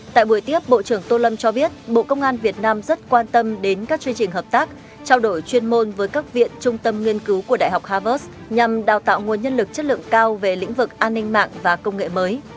tại buổi tiếp bộ trưởng tô lâm cho biết bộ công an việt nam rất quan tâm đến các chương trình hợp tác trao đổi chuyên môn với các viện trung tâm nghiên cứu của đại học harvard nhằm đào tạo nguồn nhân lực chất lượng cao về lĩnh vực an ninh mạng và công nghệ mới